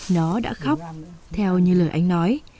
nó đã khóc theo như lời anh nói